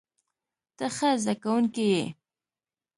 ته ښه زده کوونکی یې.